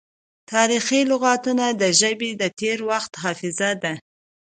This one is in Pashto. تاریخي لغتونه د ژبې د تیر وخت حافظه ده.